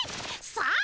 さあ！